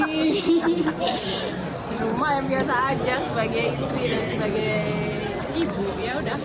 di rumah ya biasa aja sebagai istri dan sebagai ibu yaudah